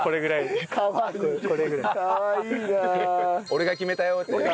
「俺が決めたよ」っていう。